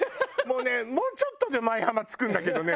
もうねもうちょっとで舞浜着くんだけどね